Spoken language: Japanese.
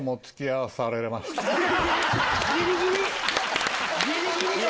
ギリギリよ！